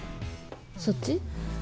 そっち？